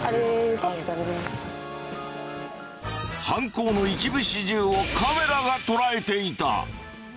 犯行の一部始終をカメラが捉えていた。